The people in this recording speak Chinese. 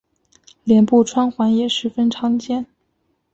脸部穿环也十分常见。